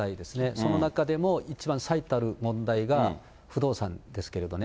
その中でも、一番最たる問題が不動産ですけれどね。